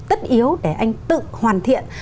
tất yếu để anh tự hoàn thiện